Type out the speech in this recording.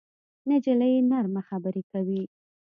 نجلۍ نرمه خبرې کوي.